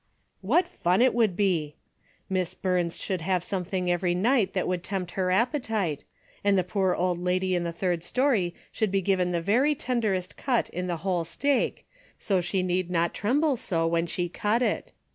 What fun it would be! Miss Burns should have something every night that would tempt her appetite, and the poor old lady in the third story should be given the very ten derest cut in the whole steak, so she need not tremble so when she cut it.